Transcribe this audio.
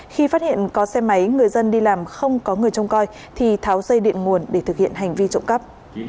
khi phát hiện có xe máy người dân đi làm không có người trông coi thì tháo dây điện nguồn để thực hiện hành vi trộm cắp